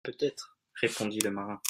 Peut-être, répondit le marin.